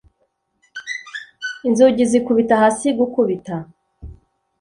Inzugi zikubita hasi gukubita